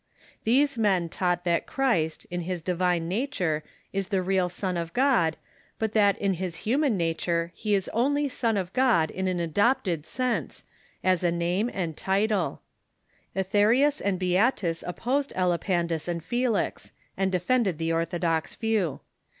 These men taught that Christ, in his divine nature, is the real Son of God, but that in his human nature he is only Son of God in an adopted sense, as a name and title, Etherius and Beatus opposed Elipandus and Felix, and THEOLOGICAL MOVEMENTS 123 defended the orthodox view.